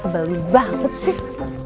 balik banget sih